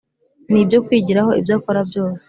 ni ibyo kwigiraho, ibyo akora byose.